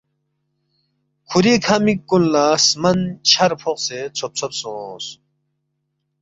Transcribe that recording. کُھوری کھہ مِک کُن لہ سمن چھر فوقسے ژھوب ژھوب سونگس